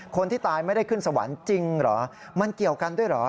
คนที่ตายไม่ได้ขึ้นสวรรค์จริงเหรอมันเกี่ยวกันด้วยเหรอ